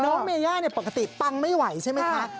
เมย่าปกติปังไม่ไหวใช่ไหมคะ